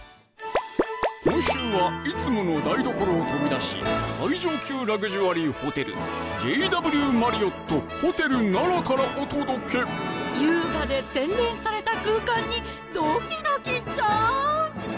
今週はいつもの台所を飛び出し最上級ラグジュアリーホテルＪＷマリオット・ホテル奈良からお届け優雅で洗練された空間にドキドキしちゃう！